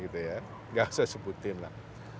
tidak usah sebutkan